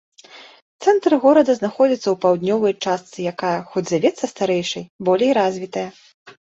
Цэнтр горада знаходзіцца ў паўднёвай частцы якая, хоць завецца старэйшай, болей развітая.